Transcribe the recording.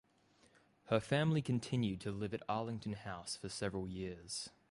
Her family continued to live at Arlington House for several years.